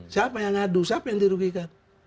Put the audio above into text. siapa yang ngadu siapa yang dirugikan